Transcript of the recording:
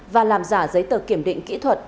và làm giả giấy tờ kiểm định kỹ thuật